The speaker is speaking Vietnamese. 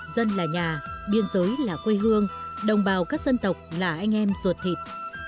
dân là nhà biên giới là quê hương đồng bào các dân tộc là anh em ruột thịt